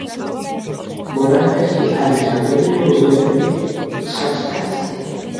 მონასტერში არის რამდენიმე უძველესი ხაჩქარი.